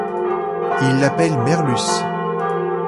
Il l'appelle Merlusse.